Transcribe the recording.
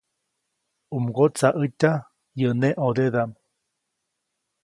U mgotsaʼätya yäʼ neʼ ʼõdedaʼm.